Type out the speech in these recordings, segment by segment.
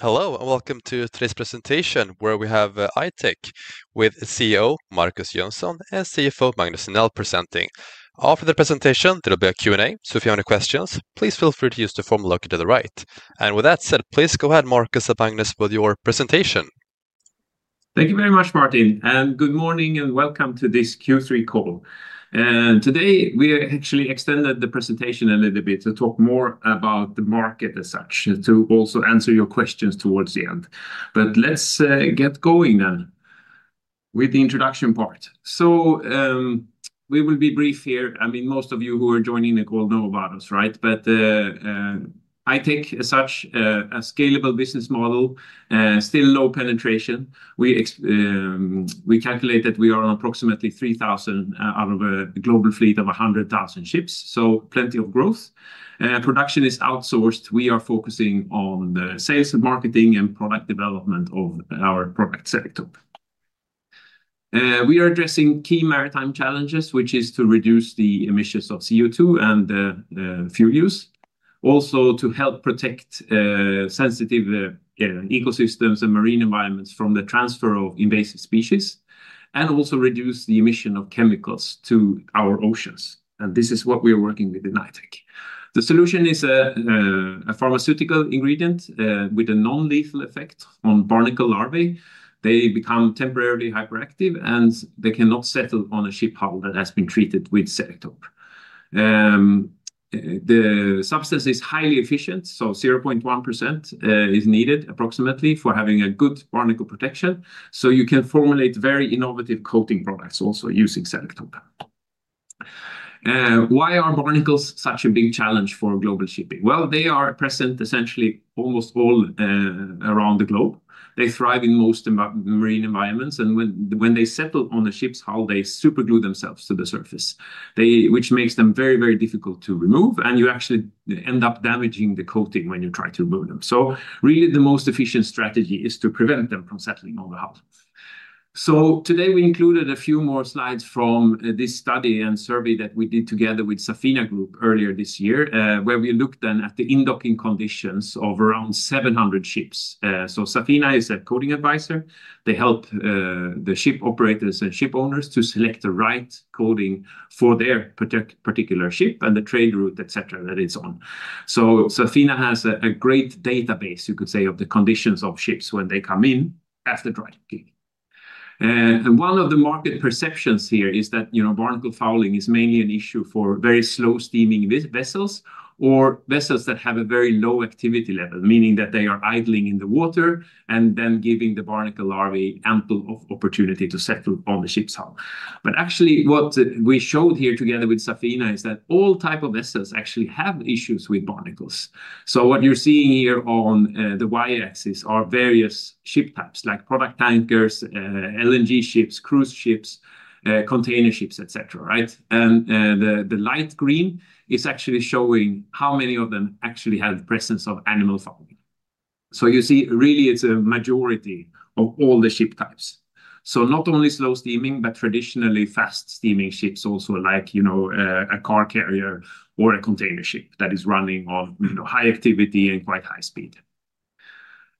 Hello and welcome to today's presentation where we have I-Tech with CEO Markus Jönsson and CFO Magnus Henell presenting. After the presentation, there will be a Q&A, so if you have any questions, please feel free to use the form located to the right. With that said, please go ahead, Markus and Magnus, with your presentation. Thank you very much, Martin, and good morning and welcome to this Q3 call. Today we actually extended the presentation a little bit to talk more about the market as such, to also answer your questions towards the end. Let's get going then with the introduction part. We will be brief here. I mean, most of you who are joining the call know about us, right? I-Tech as such, a scalable business model, still low penetration. We calculate that we are on approximately 3,000 out of a global fleet of 100,000 ships, so plenty of growth. Production is outsourced. We are focusing on the sales and marketing and product development of our product setup. We are addressing key maritime challenges, which are to reduce the emissions of CO2 and fuel use, also to help protect sensitive ecosystems and marine environments from the transfer of invasive species, and also reduce the emission of chemicals to our oceans. This is what we are working with in I-Tech. The solution is a pharmaceutical antifouling agent with a non-lethal effect on barnacle larvae. They become temporarily hyperactive, and they cannot settle on a ship hull that has been treated with Selektope. The substance is highly efficient, so 0.1% is needed approximately for having a good barnacle protection. You can formulate very innovative coating products also using Selektope. Why are barnacles such a big challenge for global shipping? They are present essentially almost all around the globe. They thrive in most marine environments, and when they settle on the ship's hull, they super glue themselves to the surface, which makes them very, very difficult to remove, and you actually end up damaging the coating when you try to remove them. The most efficient strategy is to prevent them from settling on the hull. Today we included a few more slides from this study and survey that we did together with Safinah Group earlier this year, where we looked then at the in-docking conditions of around 700 ships. Safinah is a coating advisor. They help the ship operators and ship owners to select the right coating for their particular ship and the trade route, et cetera, that it's on. Safinah has a great database, you could say, of the conditions of ships when they come in after dry docking. One of the market perceptions here is that barnacle fouling is mainly an issue for very slow steaming vessels or vessels that have a very low activity level, meaning that they are idling in the water and giving the barnacle larvae ample opportunity to settle on the ship's hull. Actually, what we showed here together with Safinah is that all types of vessels have issues with barnacles. What you're seeing here on the y-axis are various ship types like product tankers, LNG ships, cruise ships, container ships, etc. The light green is showing how many of them actually have the presence of animal fouling. You see, really, it's a majority of all the ship types. Not only slow steaming, but traditionally fast steaming ships also, like a car carrier or a container ship that is running on high activity and quite high speed.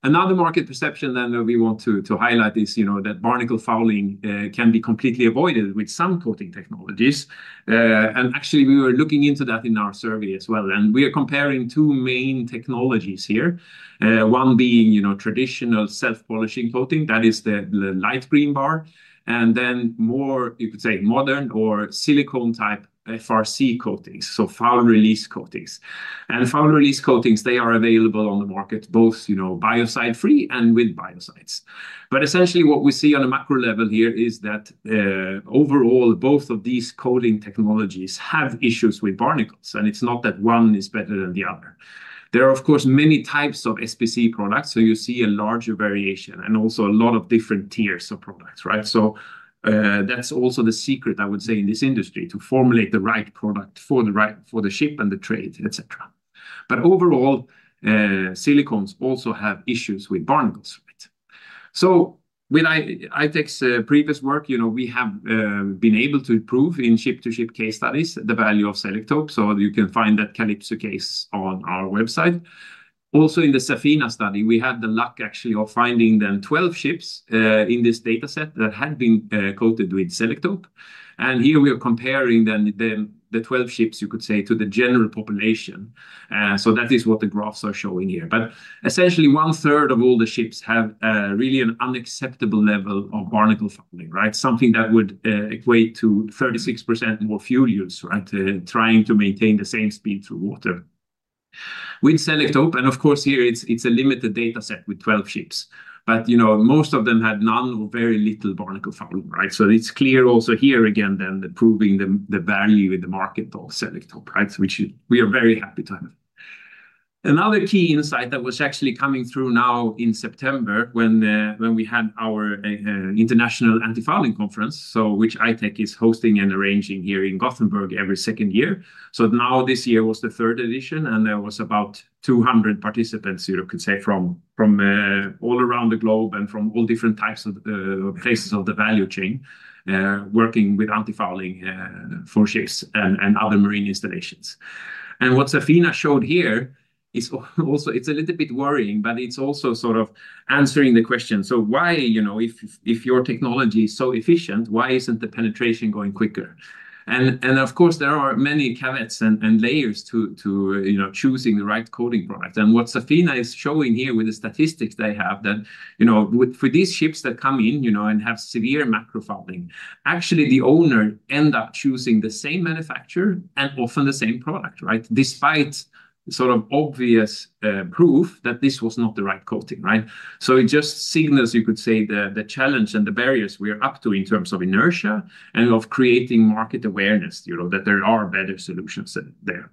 Another market perception that we want to highlight is that barnacle fouling can be completely avoided with some coating technologies. Actually, we were looking into that in our survey as well. We are comparing two main technologies here, one being traditional self-polishing coating, that is the light green bar, and then more modern or silicone type FRC coatings, foul release coatings. Foul release coatings are available on the market both biocide-free and with biocides. Essentially, what we see on a macro level here is that, overall, both of these coating technologies have issues with barnacles, and it's not that one is better than the other. There are, of course, many types of SPC products, so you see a larger variation and also a lot of different tiers of products. That's also the secret in this industry, to formulate the right product for the ship and the trade. Overall, silicones also have issues with barnacles. With I-Tech's previous work, we have been able to prove in ship-to-ship case studies the value of Selektope. You can find that Calypso case on our website. Also, in the Safinah study, we had the luck of finding 12 ships in this data set that had been coated with Selektope. Here we are comparing the 12 ships to the general population. That is what the graphs are showing here. Essentially, one third of all the ships have really an unacceptable level of barnacle fouling, right? Something that would equate to 36% more fuel use, right, trying to maintain the same speed through water with Selektope. Of course, here it's a limited data set with 12 ships, but you know, most of them had none or very little barnacle fouling, right? It's clear also here again then proving the value in the market of Selektope, right? We are very happy to have it. Another key insight that was actually coming through now in September when we had our International Antifouling Conference, which I-Tech is hosting and arranging here in Gothenburg every second year. This year was the third edition, and there were about 200 participants, you know, from all around the globe and from all different types of places of the value chain, working with antifouling for ships and other marine installations. What Safinah Group showed here is also a little bit worrying, but it's also sort of answering the question. Why, you know, if your technology is so efficient, why isn't the penetration going quicker? Of course, there are many caveats and layers to choosing the right coating product. What Safinah Group is showing here with the statistics they have is that, you know, for these ships that come in and have severe macro fouling, actually the owner ends up choosing the same manufacturer and often the same product, right? Despite sort of obvious proof that this was not the right coating, right? It just signals, you could say, the challenge and the barriers we are up to in terms of inertia and of creating market awareness, you know, that there are better solutions there.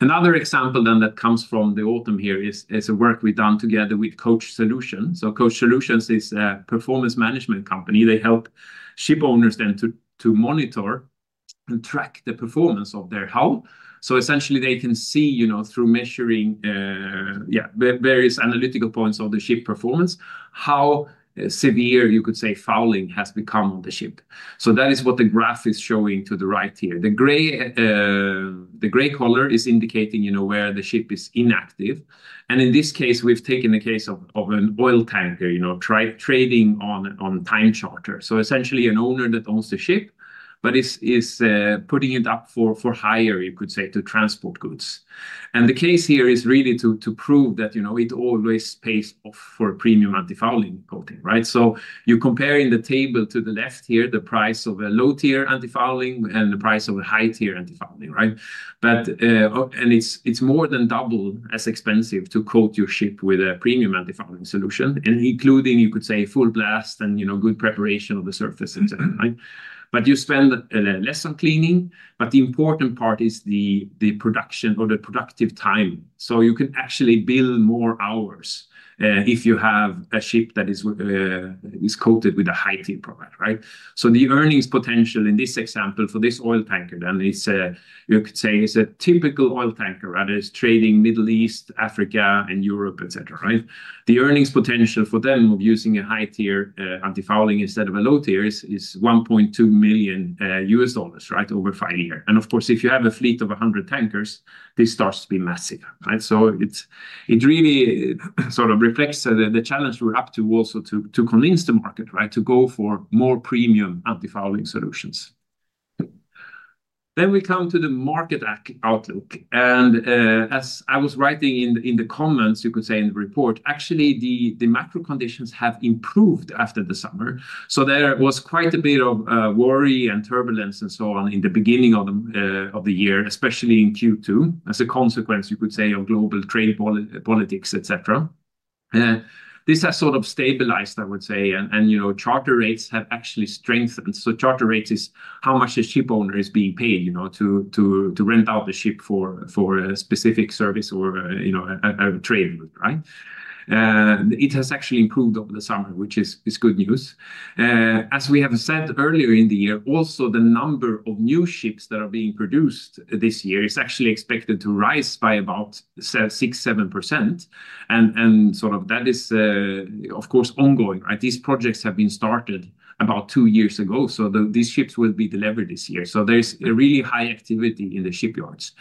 Another example that comes from the autumn here is a work we've done together with Coach Solutions. Coach Solutions is a performance management company. They help ship owners then to monitor and track the performance of their hull. Essentially, they can see, you know, through measuring various analytical points of the ship performance, how severe, you could say, fouling has become on the ship. That is what the graph is showing to the right here. The gray color is indicating, you know, where the ship is inactive. In this case, we've taken the case of an oil tanker, you know, trading on a time charter. Essentially, an owner that owns the ship, but is putting it up for hire, you could say, to transport goods. The case here is really to prove that it always pays off for a premium antifouling coating, right? You compare in the table to the left here the price of a low-tier antifouling and the price of a high-tier antifouling, right? It is more than double as expensive to coat your ship with a premium antifouling solution, including, you could say, full blast and good preparation of the surface, et cetera, right? You spend less on cleaning, but the important part is the production or the productive time. You can actually build more hours if you have a ship that is coated with a high-tier product, right? The earnings potential in this example for this oil tanker then is, you could say, is a typical oil tanker that is trading Middle East, Africa, and Europe, et cetera, right? The earnings potential for them of using a high-tier antifouling instead of a low-tier is $1.2 million, right, over five years. Of course, if you have a fleet of 100 tankers, this starts to be massive, right? It really sort of reflects the challenge we're up to also to convince the market, right, to go for more premium antifouling solutions. We come to the market outlook. As I was writing in the comments, you could say in the report, actually, the macro conditions have improved after the summer. There was quite a bit of worry and turbulence and so on in the beginning of the year, especially in Q2, as a consequence, you could say, of global trade politics, et cetera. This has sort of stabilized, I would say, and charter rates have actually strengthened. Charter rates is how much a ship owner is being paid, you know, to rent out the ship for a specific service or a trade route, right? It has actually improved over the summer, which is good news. As we have said earlier in the year, also the number of new ships that are being produced this year is actually expected to rise by about 6%, 7%. That is, of course, ongoing, right? These projects have been started about two years ago. These ships will be delivered this year. There is a really high activity in the shipyards.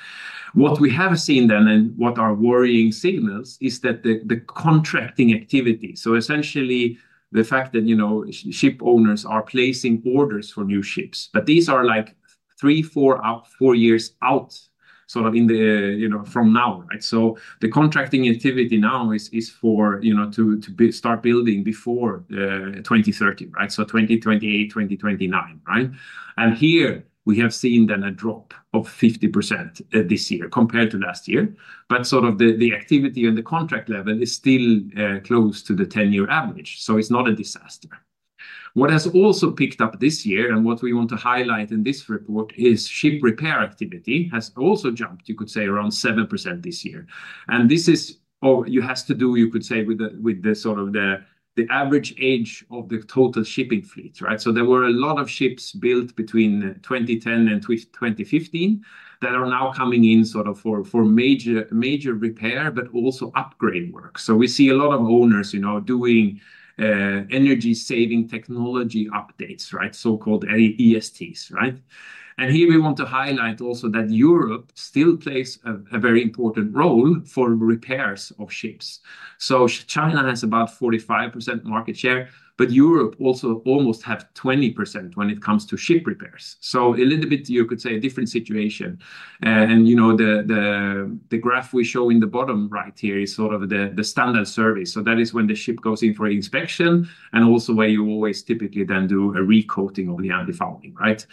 What we have seen then and what our worrying signals is that the contracting activity, so essentially the fact that ship owners are placing orders for new ships, but these are like three, four, four years out sort of in the, you know, from now, right? The contracting activity now is for, you know, to start building before 2030, right? 2028, 2029, right? Here we have seen a drop of 50% this year compared to last year. The activity and the contract level is still close to the 10-year average. It's not a disaster. What has also picked up this year and what we want to highlight in this report is ship repair activity has also jumped, you could say, around 7% this year. This is, you have to do, you could say, with the average age of the total shipping fleet, right? There were a lot of ships built between 2010 and 2015 that are now coming in for major repair, but also upgrade work. We see a lot of owners doing energy saving technology updates, so-called ESTs, right? Here we want to highlight also that Europe still plays a very important role for repairs of ships. China has about 45% market share, but Europe also almost has 20% when it comes to ship repairs. A little bit, you could say, a different situation. The graph we show in the bottom right here is the standard service. That is when the ship goes in for inspection and also where you always typically then do a recoating on the antifouling, right?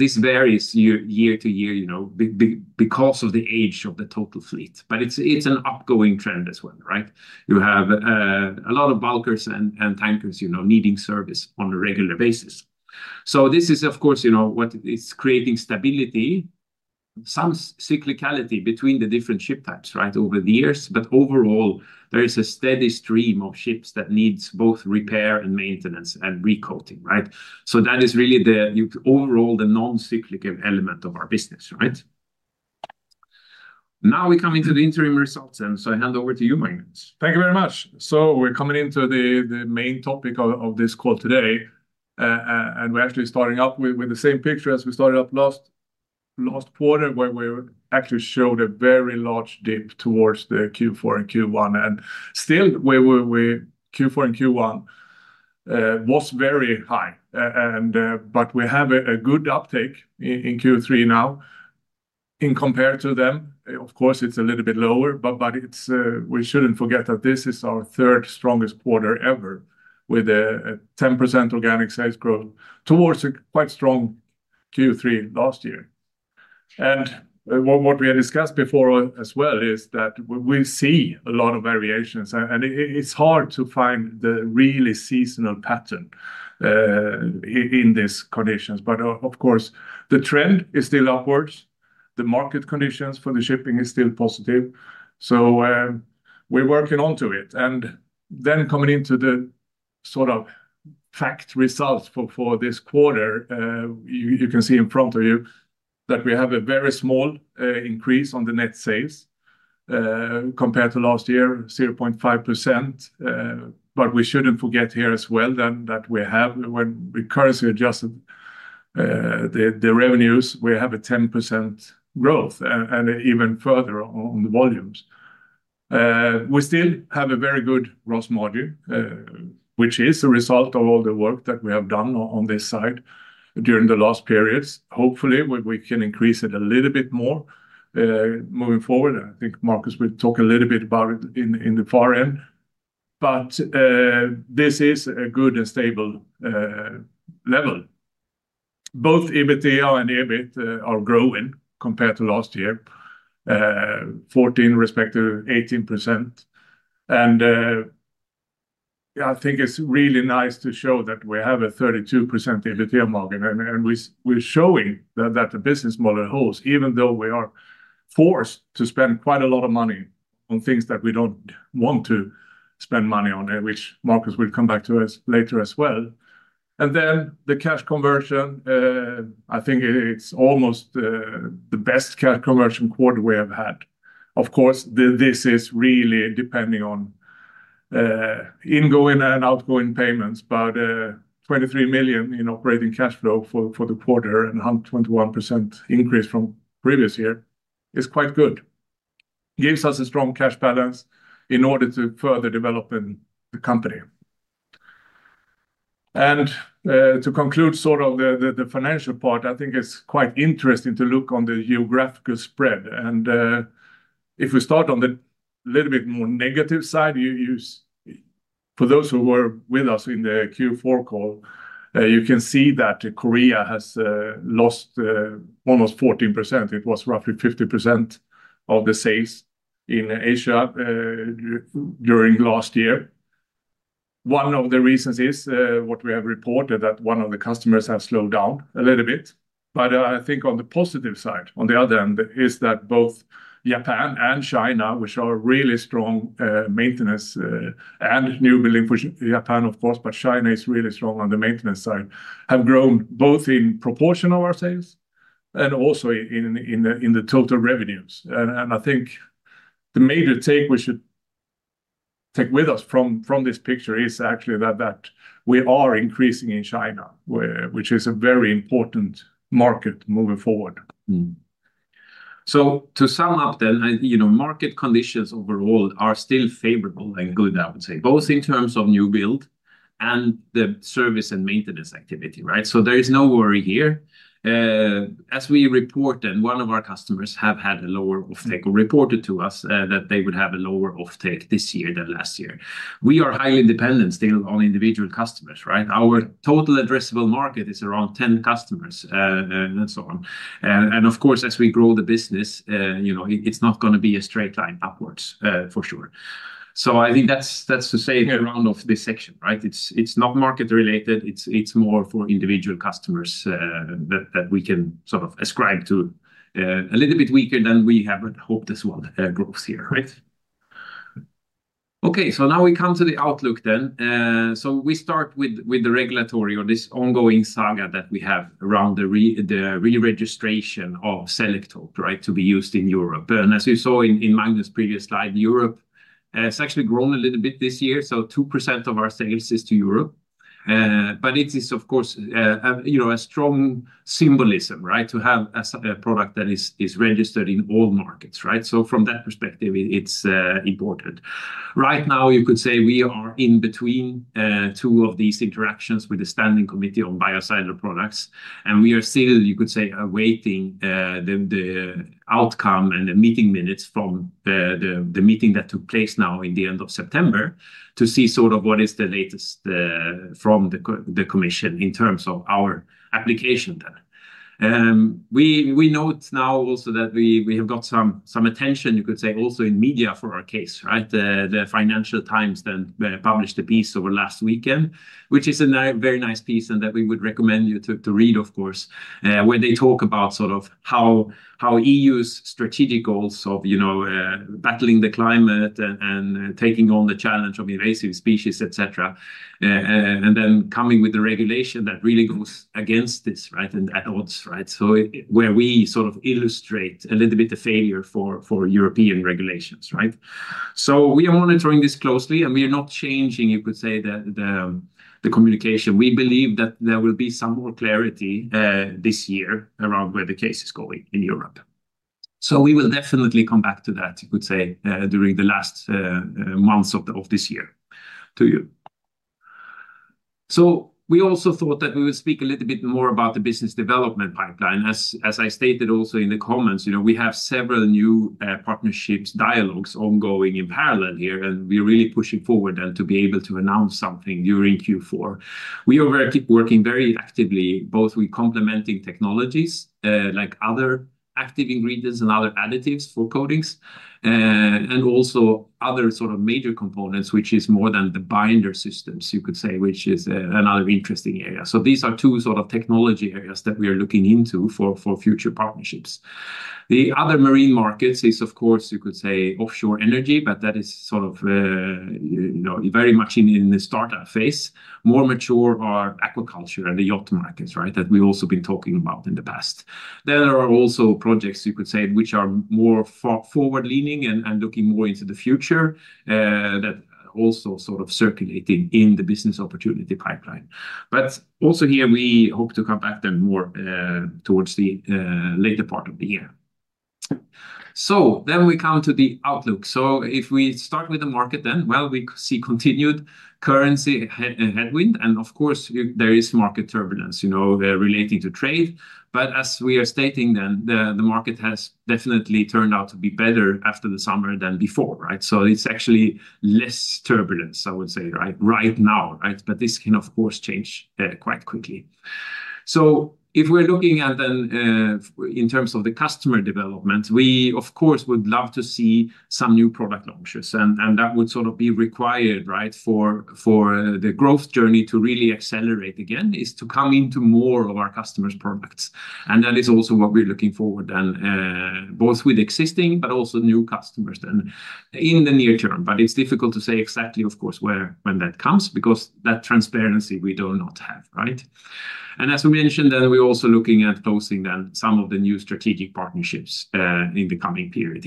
This varies year to year because of the age of the total fleet. It's an upgoing trend as well, right? You have a lot of bulkers and tankers needing service on a regular basis. This is, of course, what is creating stability, some cyclicality between the different ship types over the years. Overall, there is a steady stream of ships that needs both repair and maintenance and recoating, right? That is really the overall non-cyclical element of our business, right? Now we come into the interim results, and I hand over to you, Magnus. Thank you very much. We're coming into the main topic of this call today. We're actually starting up with the same picture as we started up last quarter where we actually showed a very large dip towards Q4 and Q1. Still, Q4 and Q1 was very high. We have a good uptake in Q3 now. In compared to them, of course, it's a little bit lower. We shouldn't forget that this is our third strongest quarter ever with a 10% organic sales growth towards a quite strong Q3 last year. What we had discussed before as well is that we see a lot of variations. It's hard to find the really seasonal pattern in these conditions. The trend is still upwards. The market conditions for the shipping are still positive. We're working onto it. Coming into the sort of fact results for this quarter, you can see in front of you that we have a very small increase on the net sales compared to last year, 0.5%. We shouldn't forget here as well that when we currency adjusted the revenues, we have a 10% growth and even further on the volumes. We still have a very good gross margin, which is a result of all the work that we have done on this side during the last periods. Hopefully, we can increase it a little bit more moving forward. I think Markus will talk a little bit about it in the far end. This is a good and stable level. Both EBITDA and EBIT are growing compared to last year, 14% respective to 18%. I think it's really nice to show that we have a 32% EBITDA margin. We're showing that the business model holds, even though we are forced to spend quite a lot of money on things that we don't want to spend money on, which Markus will come back to us later as well. The cash conversion, I think it's almost the best cash conversion quarter we have had. This is really depending on ingoing and outgoing payments. $23 million in operating cash flow for the quarter and a 121% increase from the previous year is quite good. It gives us a strong cash balance in order to further develop the company. To conclude the financial part, I think it's quite interesting to look on the geographical spread. If we start on the little bit more negative side, for those who were with us in the Q4 call, you can see that Korea has lost almost 14%. It was roughly 50% of the sales in Asia during last year. One of the reasons is what we have reported that one of the customers has slowed down a little bit. On the positive side, on the other end, both Japan and China, which are really strong maintenance and new building for Japan, but China is really strong on the maintenance side, have grown both in proportion of our sales and also in the total revenues. The major take we should take with us from this picture is actually that we are increasing in China, which is a very important market moving forward. To sum up, market conditions overall are still favorable and good, I would say, both in terms of new build and the service and maintenance activity, right? There is no worry here. As we report, one of our customers has had a lower offtake or reported to us that they would have a lower offtake this year than last year. We are highly dependent still on individual customers, right? Our total addressable market is around 10 customers and so on. Of course, as we grow the business, it's not going to be a straight line upwards for sure. I think that's to say the ground of this section, right? It's not market related. It's more for individual customers that we can sort of ascribe to a little bit weaker than we have hoped as well growth here, right? OK, now we come to the outlook. We start with the regulatory or this ongoing saga that we have around the re-registration of Selektope to be used in Europe. As you saw in Magnus' previous slide, Europe has actually grown a little bit this year. 2% of our sales is to Europe. It is, of course, a strong symbolism, right, to have a product that is registered in all markets, right? From that perspective, it's important. Right now, you could say we are in between two of these interactions with the Standing Committee on Biocidal Products. We are still, you could say, awaiting the outcome and the meeting minutes from the meeting that took place now in the end of September to see what is the latest from the commission in terms of our application then. We note now also that we have got some attention, you could say, also in media for our case, right? The Financial Times published a piece over the last weekend, which is a very nice piece that we would recommend you to read, of course, where they talk about how EU's strategic goals of battling the climate and taking on the challenge of invasive species, et cetera, and then coming with a regulation that really goes against this, right, and at odds, right? We sort of illustrate a little bit the failure for European regulations, right? We are monitoring this closely, and we are not changing, you could say, the communication. We believe that there will be some more clarity this year around where the case is going in Europe. We will definitely come back to that, you could say, during the last months of this year to you. We also thought that we would speak a little bit more about the business development pipeline. As I stated also in the comments, you know, we have several new partnerships, dialogues ongoing in parallel here, and we are really pushing forward to be able to announce something during Q4. We are working very actively, both with complementing technologies like other active ingredients and other additives for coatings, and also other sort of major components, which is more than the binder systems, you could say, which is another interesting area. These are two sort of technology areas that we are looking into for future partnerships. The other marine markets is, of course, you could say, offshore energy, but that is very much in the startup phase. More mature are aquaculture and the yacht markets, right, that we've also been talking about in the past. There are also projects, you could say, which are more forward-leaning and looking more into the future that also circulate in the business opportunity pipeline. Here, we hope to come back more towards the later part of the year. We come to the outlook. If we start with the market, we see continued currency headwind. Of course, there is market turbulence relating to trade. As we are stating, the market has definitely turned out to be better after the summer than before, right? It's actually less turbulence, I would say, right now, right? This can, of course, change quite quickly. If we're looking at in terms of the customer development, we would love to see some new product launches. That would be required for the growth journey to really accelerate again, to come into more of our customers' products. That is also what we're looking forward to, both with existing, but also new customers in the near term. It's difficult to say exactly when that comes because that transparency we do not have, right? As we mentioned, we're also looking at closing some of the new strategic partnerships in the coming period.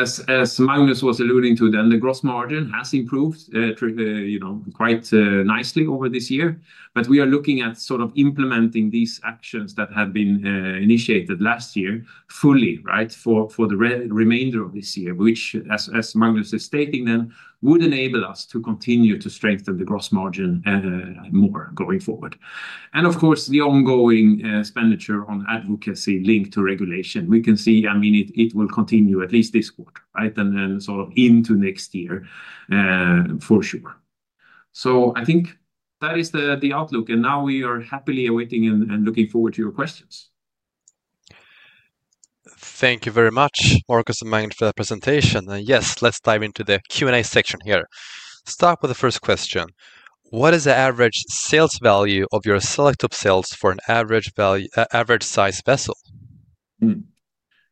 As Magnus was alluding to, the gross margin has improved quite nicely over this year. We are looking at implementing these actions that have been initiated last year fully, right, for the remainder of this year, which, as Magnus is stating then, would enable us to continue to strengthen the gross margin more going forward. Of course, the ongoing expenditure on advocacy linked to regulation, we can see, I mean, it will continue at least this quarter, right, and then into next year, for sure. I think that is the outlook. We are happily awaiting and looking forward to your questions. Thank you very much, Markus and Magnus, for that presentation. Yes, let's dive into the Q&A section here. Start with the first question. What is the average sales value of your Selektope sales for an average size vessel?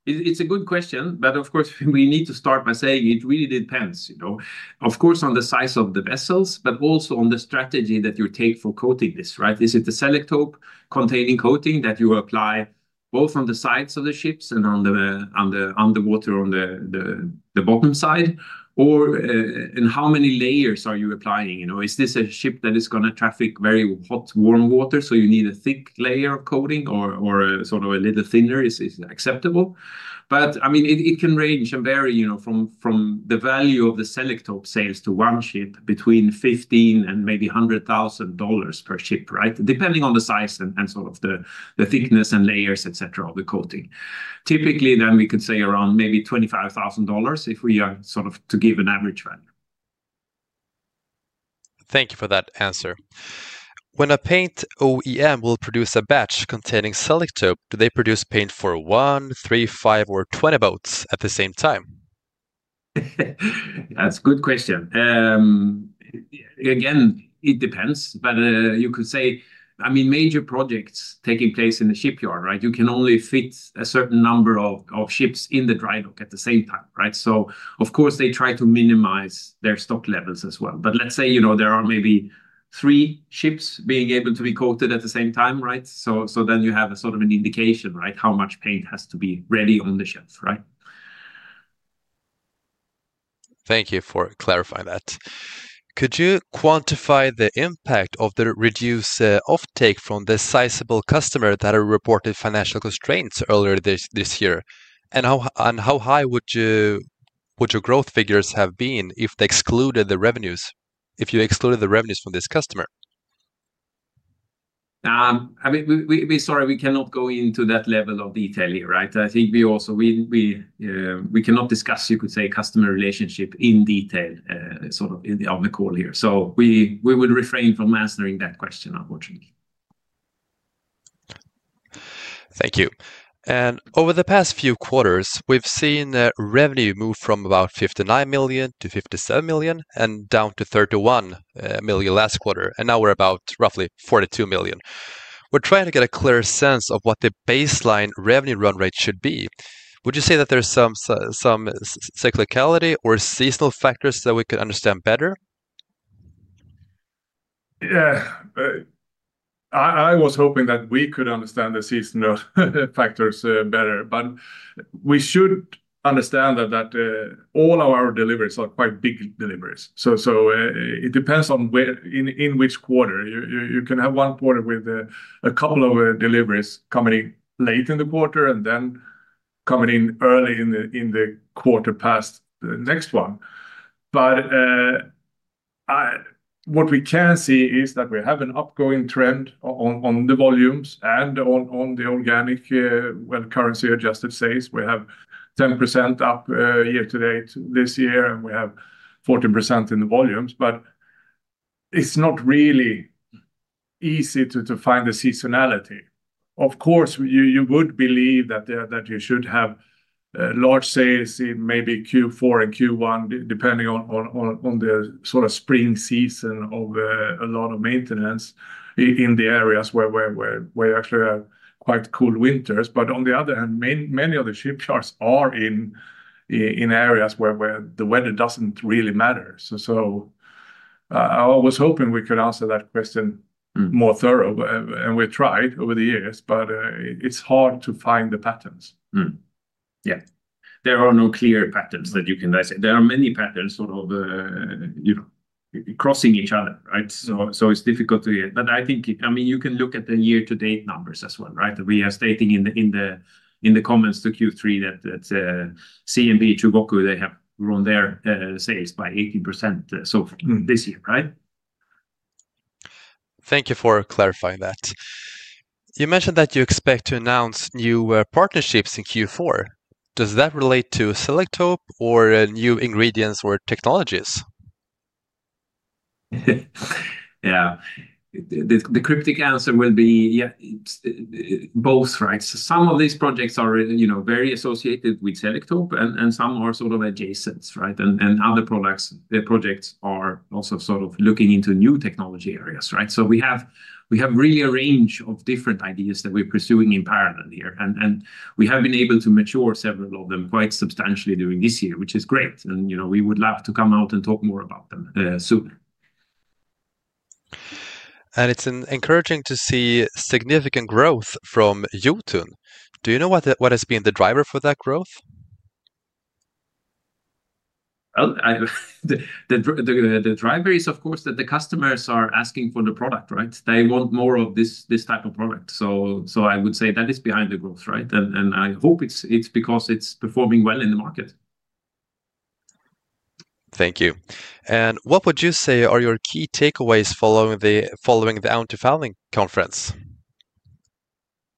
It's a good question. Of course, we need to start by saying it really depends, you know, on the size of the vessels, but also on the strategy that you take for coating this, right? Is it a Selektope-containing coating that you apply both on the sides of the ships and on the underwater, on the bottom side? Or in how many layers are you applying? You know, is this a ship that is going to traffic very hot, warm water? You need a thick layer of coating or a sort of a little thinner is acceptable. It can range and vary, you know, from the value of the Selektope sales to one ship between $15,000 and maybe $100,000 per ship, depending on the size and sort of the thickness and layers, etc., of the coating. Typically, then we could say around maybe $25,000 if we are sort of to give an average value. Thank you for that answer. When a paint OEM will produce a batch containing Selektope, do they produce paint for one, three, five, or 20 boats at the same time? That's a good question. Again, it depends. You could say, major projects taking place in the shipyard, right, you can only fit a certain number of ships in the dry dock at the same time, right? Of course, they try to minimize their stock levels as well. Let's say there are maybe three ships being able to be coated at the same time, right? You have a sort of an indication, right, how much paint has to be ready on the ship, right? Thank you for clarifying that. Could you quantify the impact of the reduced offtake from the sizable customer that reported financial constraints earlier this year? How high would your growth figures have been if you excluded the revenues? If you excluded the revenues from this customer? Sorry, we cannot go into that level of detail here, right? I think we also cannot discuss, you could say, customer relationship in detail on the call here. We would refrain from answering that question, unfortunately. Thank you. Over the past few quarters, we've seen revenue move from about $59 million-$57 million and down to $31 million last quarter. Now we're about roughly $42 million. We're trying to get a clearer sense of what the baseline revenue run rate should be. Would you say that there's some cyclicality or seasonal factors that we could understand better? I was hoping that we could understand the seasonal factors better. We should understand that all our deliveries are quite big deliveries, so it depends on in which quarter. You can have one quarter with a couple of deliveries coming in late in the quarter and then coming in early in the quarter past the next one. What we can see is that we have an upgoing trend on the volumes and on the organic, currency-adjusted sales. We have 10% up year to date this year, and we have 14% in the volumes. It's not really easy to find the seasonality. Of course, you would believe that you should have large sales in maybe Q4 and Q1, depending on the sort of spring season of a lot of maintenance in the areas where you actually have quite cool winters. On the other hand, many of the shipyards are in areas where the weather doesn't really matter. I was hoping we could answer that question more thoroughly. We tried over the years, but it's hard to find the patterns. Yeah. There are no clear patterns that you can say. There are many patterns, sort of, you know, crossing each other, right? It's difficult to get. I think, I mean, you can look at the year-to-date numbers as well, right? We are stating in the comments to Q3 that CMP, Chugoku Marine Paints, they have grown their sales by 18% so far this year, right? Thank you for clarifying that. You mentioned that you expect to announce new partnerships in Q4. Does that relate to Selektope or new ingredients or technologies? Yeah. The cryptic answer will be, yeah, both, right? Some of these projects are very associated with Selektope, and some are sort of adjacent, right? Other products and projects are also sort of looking into new technology areas, right? We have really a range of different ideas that we're pursuing in parallel here. We have been able to mature several of them quite substantially during this year, which is great. We would love to come out and talk more about them soon. It's encouraging to see significant growth from Jotun. Do you know what has been the driver for that growth? The driver is, of course, that the customers are asking for the product, right? They want more of this type of product. I would say that is behind the growth, right? I hope it's because it's performing well in the market. Thank you. What would you say are your key takeaways following the antifouling conference?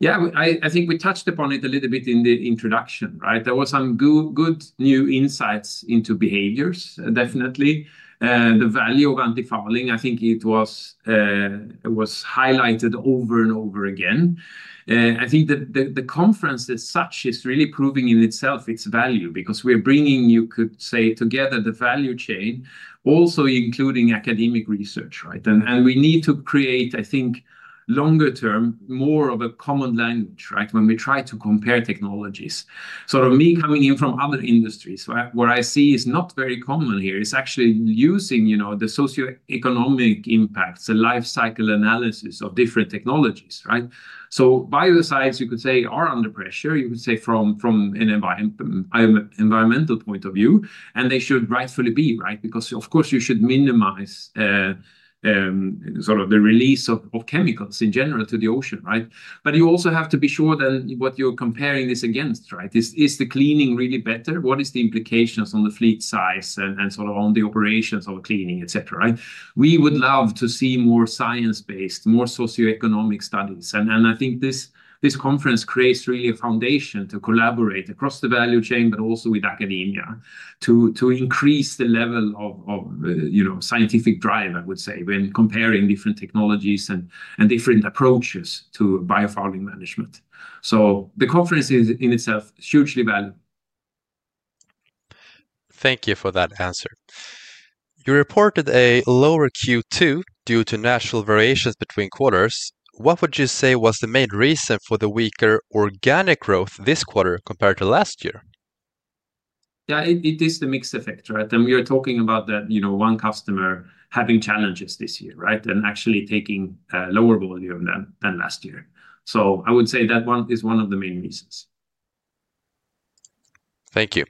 Yeah, I think we touched upon it a little bit in the introduction, right? There were some good new insights into behaviors, definitely. The value of antifouling, I think it was highlighted over and over again. I think that the conference as such is really proving in itself its value because we are bringing, you could say, together the value chain, also including academic research, right? We need to create, I think, longer term, more of a common language, right? When we try to compare technologies, sort of me coming in from other industries, what I see is not very common here is actually using, you know, the socioeconomic impacts, the life cycle analysis of different technologies, right? Biocides, you could say, are under pressure, you could say, from an environmental point of view. They should rightfully be, right? Because, of course, you should minimize sort of the release of chemicals in general to the ocean, right? You also have to be sure then what you're comparing this against, right? Is the cleaning really better? What is the implication on the fleet size and sort of on the operations of cleaning, et cetera, right? We would love to see more science-based, more socioeconomic studies. I think this conference creates really a foundation to collaborate across the value chain, but also with academia to increase the level of, you know, scientific drive, I would say, when comparing different technologies and different approaches to biofouling management. The conference in itself is hugely valuable. Thank you for that answer. You reported a lower Q2 due to national variations between quarters. What would you say was the main reason for the weaker organic growth this quarter compared to last year? Yeah, it is the mixed effect, right? We are talking about that, you know, one customer having challenges this year, right, and actually taking lower volume than last year. I would say that one is one of the main reasons. Thank you.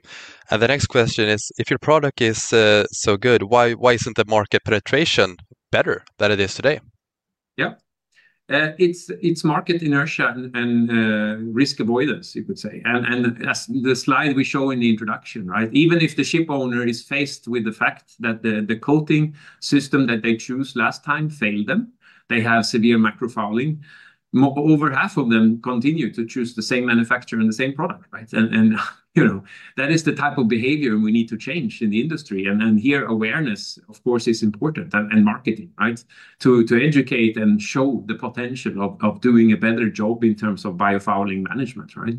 The next question is, if your product is so good, why isn't the market penetration better than it is today? Yeah. It's market inertia and risk avoidance, you could say. As the slide we show in the introduction, right, even if the ship owner is faced with the fact that the coating system that they chose last time failed them, they have severe macrofouling, over half of them continue to choose the same manufacturer and the same product, right? That is the type of behavior we need to change in the industry. Here, awareness, of course, is important and marketing, right, to educate and show the potential of doing a better job in terms of biofouling management, right,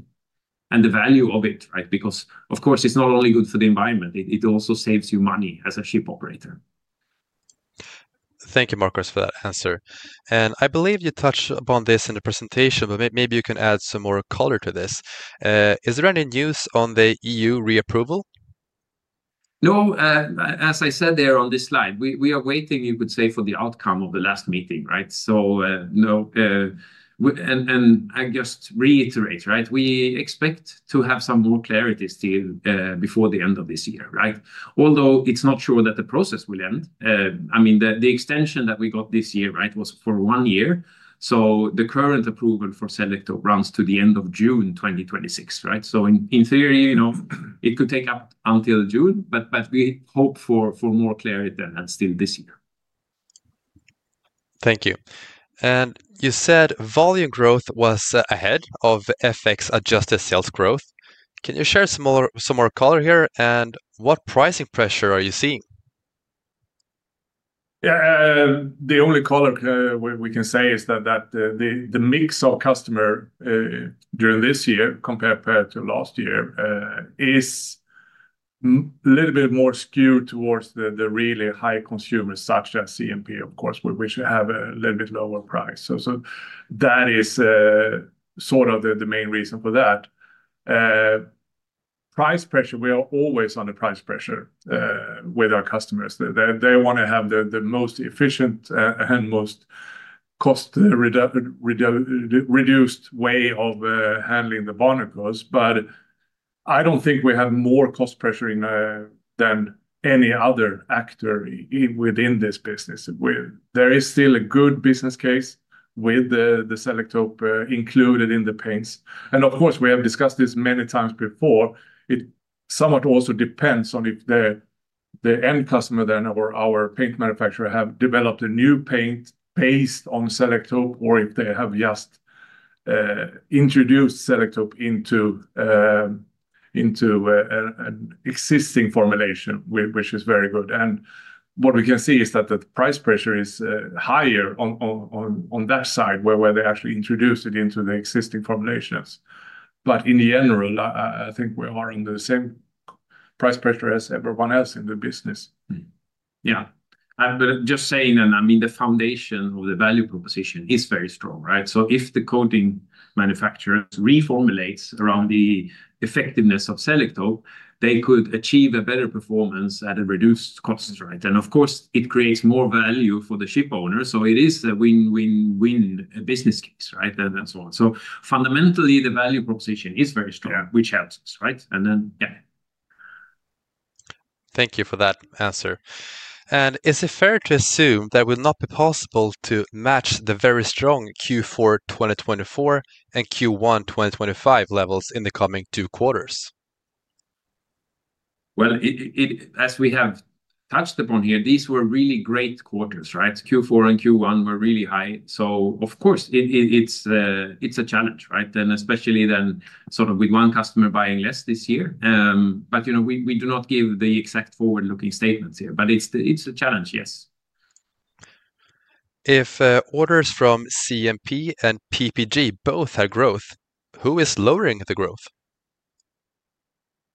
and the value of it, right, because, of course, it's not only good for the environment. It also saves you money as a ship operator. Thank you, Markus, for that answer. I believe you touched upon this in the presentation, but maybe you can add some more color to this. Is there any news on the EU reapproval? No. As I said there on this slide, we are waiting, you could say, for the outcome of the last meeting, right? No, and I just reiterate, right, we expect to have some more clarity still before the end of this year, right? Although it's not sure that the process will end. I mean, the extension that we got this year, right, was for one year. The current approval for Selektope runs to the end of June 2026, right? In theory, you know, it could take up until June, but we hope for more clarity than still this year. Thank you. You said volume growth was ahead of FX-adjusted sales growth. Can you share some more color here? What pricing pressure are you seeing? Yeah. The only color we can say is that the mix of customers during this year compared to last year is a little bit more skewed towards the really high consumers such as CMP, of course, which have a little bit lower price. That is sort of the main reason for that. Price pressure, we are always under price pressure with our customers. They want to have the most efficient and most cost-reduced way of handling the barnacles. I don't think we have more cost pressure than any other actor within this business. There is still a good business case with the Selektope included in the paints. Of course, we have discussed this many times before. It somewhat also depends on if the end customer then or our paint manufacturer have developed a new paint based on Selektope or if they have just introduced Selektope into an existing formulation, which is very good. What we can see is that the price pressure is higher on that side where they actually introduced it into the existing formulations. In general, I think we are under the same price pressure as everyone else in the business. Yeah, I'm just saying, I mean, the foundation of the value proposition is very strong, right? If the coating manufacturers reformulate around the effectiveness of Selektope, they could achieve better performance at a reduced cost, right? It creates more value for the ship owner. It is a win-win-win business case, right? Fundamentally, the value proposition is very strong, which helps us, right? Thank you for that answer. Is it fair to assume that it will not be possible to match the very strong Q4 2024 and Q1 2025 levels in the coming two quarters? As we have touched upon here, these were really great quarters, right? Q4 and Q1 were really high. Of course, it's a challenge, right? Especially then sort of with one customer buying less this year. You know, we do not give the exact forward-looking statements here, but it's a challenge, yes. If orders from CMP and PPG both have growth, who is lowering the growth?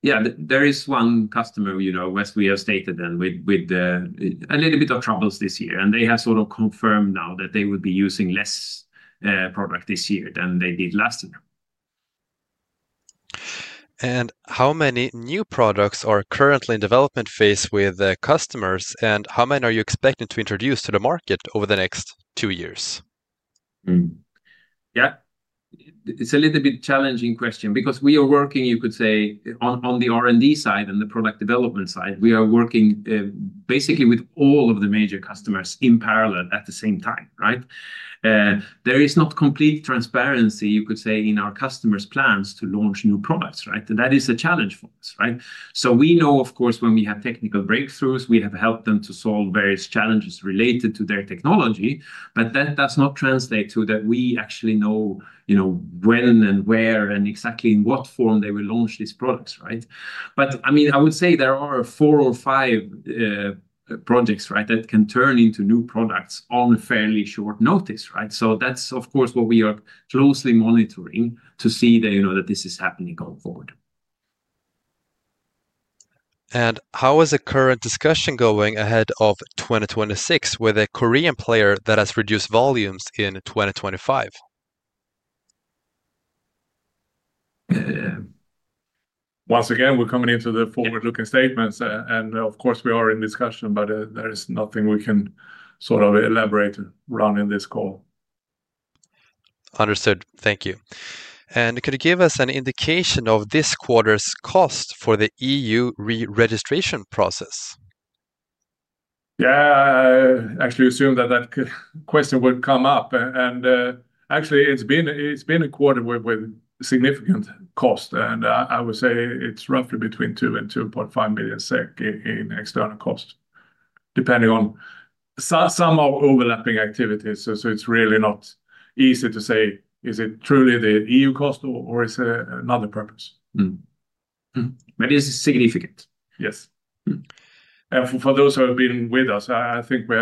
Yeah, there is one customer, you know, as we have stated, with a little bit of troubles this year. They have sort of confirmed now that they will be using less product this year than they did last year. How many new products are currently in development phase with customers? How many are you expecting to introduce to the market over the next two years? Yeah, it's a little bit challenging question because we are working, you could say, on the R&D side and the product development side. We are working basically with all of the major customers in parallel at the same time, right? There is not complete transparency, you could say, in our customers' plans to launch new products, right? That is a challenge for us, right? We know, of course, when we have technical breakthroughs, we have helped them to solve various challenges related to their technology. That does not translate to that we actually know, you know, when and where and exactly in what form they will launch these products, right? I mean, I would say there are four or five projects, right, that can turn into new products on fairly short notice, right? That's, of course, what we are closely monitoring to see that, you know, that this is happening going forward. How is the current discussion going ahead of 2026 with a Korean player that has reduced volumes in 2025? Once again, we're coming into the forward-looking statements. Of course, we are in discussion, but there is nothing we can sort of elaborate around in this call. Understood. Thank you. Could you give us an indication of this quarter's cost for the EU regulatory re-registration process? Yeah, I actually assumed that question would come up. Actually, it's been a quarter with significant cost. I would say it's roughly between $2 million and $2.5 million in external costs, depending on some overlapping activities. It's really not easy to say, is it truly the EU cost or is it another purpose? Maybe it's significant. For those who have been with us, I think we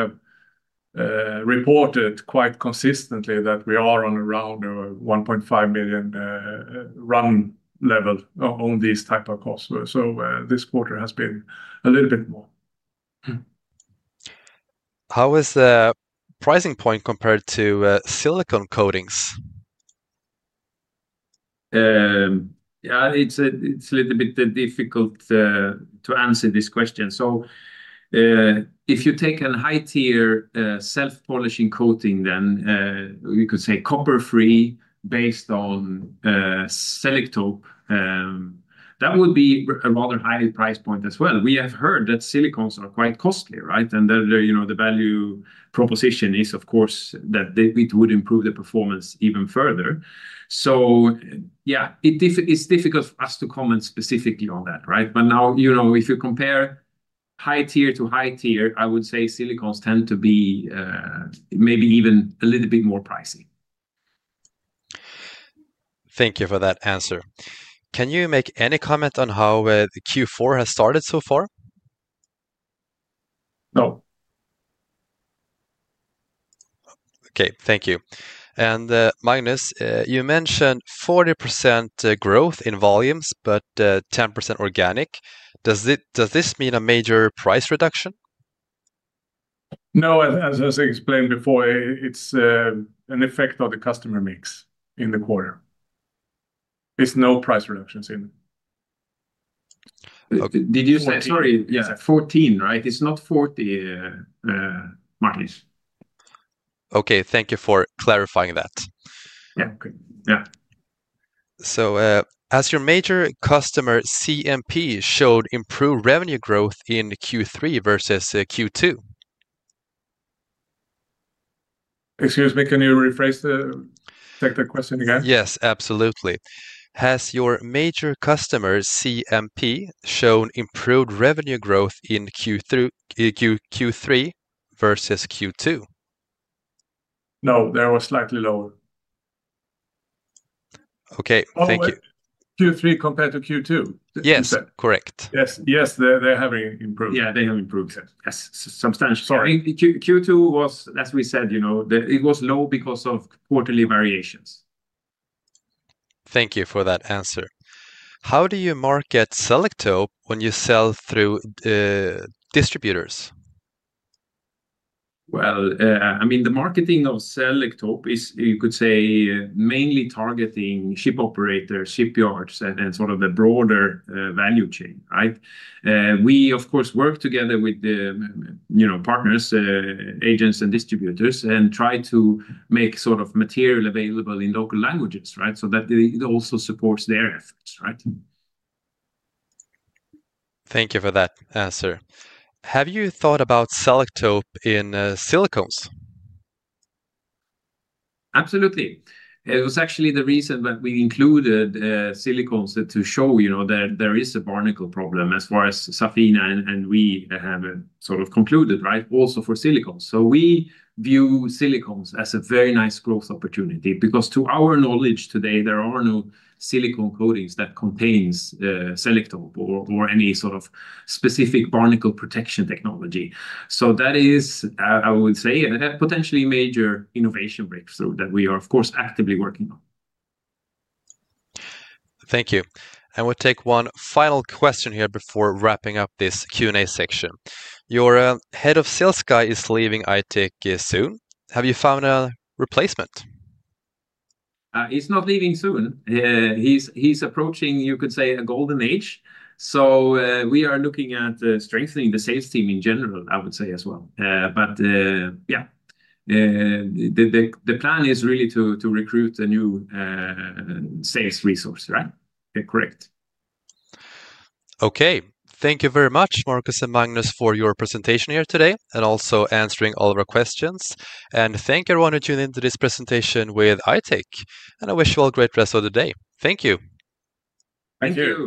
have reported quite consistently that we are on around $1.5 million run level on these types of costs. This quarter has been a little bit more. How is the pricing point compared to silicon-based coatings? Yeah, it's a little bit difficult to answer this question. If you take a high-tier self-polishing coating, then you could say copper-free based on Selektope, that would be a rather high price point as well. We have heard that silicons are quite costly, right? The value proposition is, of course, that it would improve the performance even further. It's difficult for us to comment specifically on that, right? Now, you know, if you compare high-tier to high-tier, I would say silicons tend to be maybe even a little bit more pricey. Thank you for that answer. Can you make any comment on how the Q4 has started so far? No. OK, thank you. Magnus, you mentioned 40% growth in volumes, but 10% organic. Does this mean a major price reduction? No, as I explained before, it's an effect of the customer mix in the quarter. It's no price reductions in. OK, did you say? Sorry, yeah, 14, right? It's not 40, Mark. OK, thank you for clarifying that. Yeah, OK. Yeah. Has your major customer, CMP, showed improved revenue growth in Q3 versus Q2? Excuse me, can you rephrase the question again? Yes, absolutely. Has your major customer, CMP, shown improved revenue growth in Q3 versus Q2? No, they were slightly lower. OK, thank you. Q3 compared to Q2, you said? Yes, correct. Yes, they have improved. Yeah, they have improved. Yes, substantially. Q2 was, as we said, you know, it was low because of quarterly variations. Thank you for that answer. How do you market Selektope when you sell through distributors? The marketing of Selektope is, you could say, mainly targeting ship operators, shipyards, and sort of a broader value chain, right? We, of course, work together with the partners, agents, and distributors and try to make sort of material available in local languages, right? That also supports their efforts, right? Thank you for that answer. Have you thought about Selektope in silicons? Absolutely. It was actually the reason that we included silicons to show, you know, there is a barnacle problem as far as Safinah, and we have sort of concluded, right, also for silicons. We view silicons as a very nice growth opportunity because to our knowledge today, there are no silicon-based coatings that contain Selektope or any sort of specific barnacle protection technology. That is, I would say, a potentially major innovation breakthrough that we are, of course, actively working on. Thank you. We'll take one final question here before wrapping up this Q&A section. Your Head of Sales guy is leaving I-Tech soon. Have you found a replacement? He's not leaving soon. He's approaching, you could say, a golden age. We are looking at strengthening the sales team in general, I would say, as well. The plan is really to recruit a new sales resource, right? Correct. OK, thank you very much, Markus and Magnus, for your presentation here today and also answering all of our questions. Thank everyone who tuned into this presentation with I-Tech. I wish you all a great rest of the day. Thank you. Thank you.